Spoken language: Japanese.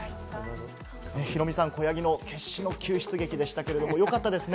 ヒロミさん、子ヤギの決死の救出劇でしたけれども、よかったです